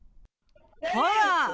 ほら！